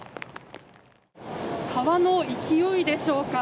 川の勢いでしょうか。